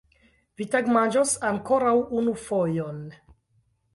Vi tagmanĝos ankoraŭ unu fojon!